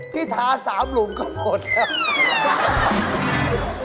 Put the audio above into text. พี่ทา๓หลุมก็หมดครับ